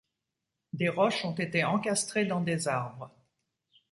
Des roches ont été encastrées dans des arbres.